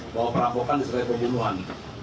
bahwa perampokan diserai pembunuhan